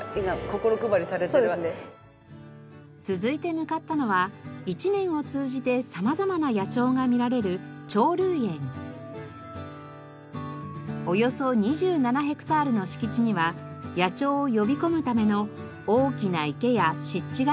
続いて向かったのは一年を通じて様々な野鳥が見られるおよそ２７ヘクタールの敷地には野鳥を呼び込むための大きな池や湿地が広がります。